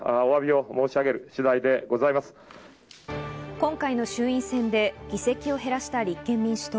今回の衆院選で議席を減らした立憲民主党。